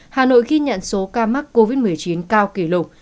hà nội ghi nhận số ca mắc covid một mươi chín cao kỷ lục